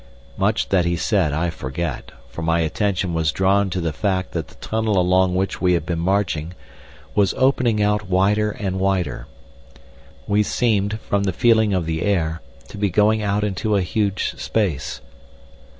Much that he said I forget, for my attention was drawn to the fact that the tunnel along which we had been marching was opening out wider and wider. We seemed, from the feeling of the air, to be going out into a huge space.